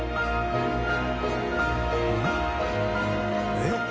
えっ？